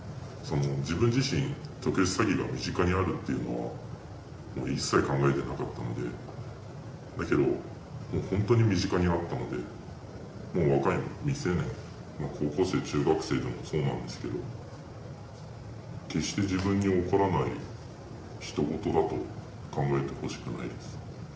自分自身、特殊詐欺が身近にあるというのは、一切考えてなかったので、だけど、もう本当に身近にあったので、もう若い未成年、高校生、中学生でもそうなんですけど、決して自分に起こらない、ひと事だと考えてほしくないです。